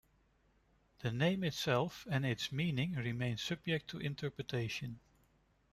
The name itself and its meaning remain subject to interpretation.